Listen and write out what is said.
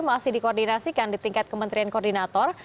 masih dikoordinasikan di tingkat kementerian koordinator